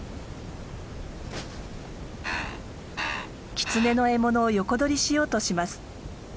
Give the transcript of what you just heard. キツネの獲物を横取りしようとします。